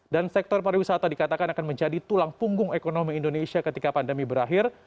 dan sektor pariwisata dikatakan akan menjadi tulang punggung ekonomi indonesia ketika pandemi berakhir